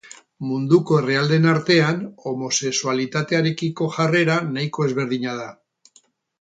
Munduko herrialdeen artean homosexualitatearekiko jarrera nahiko ezberdina da.